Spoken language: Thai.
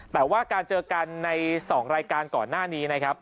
พอเราเจอกันใน๒รายการก่อนหน้านี้นะครับ